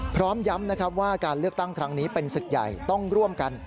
พร้อมย้ำนะครับว่าการเลือกตั้งครั้งนี้เป็นศึกใหญ่ต้องร่วมกัน